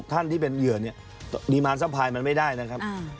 ท่านที่เป็นเหยื่อเนี่ยดีมารสภายมันไม่ได้นะครับ